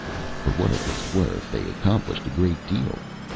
For what it was worth, they accomplished a great deal.